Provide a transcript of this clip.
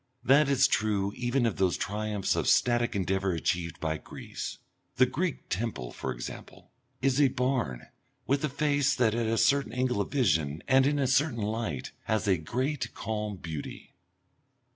That is true even of those triumphs of static endeavour achieved by Greece. The Greek temple, for example, is a barn with a face that at a certain angle of vision and in a certain light has a great calm beauty.